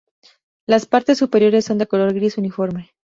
Las partes superiores son de color gris uniforme.